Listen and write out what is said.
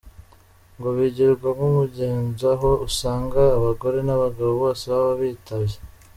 Ngo bigirwa nk'umugenzo aho usanga abagore n'abagabo bose baba bitavye.